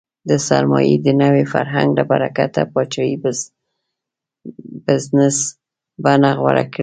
د سرمایې د نوي فرهنګ له برکته پاچاهۍ بزنس بڼه غوره کړې.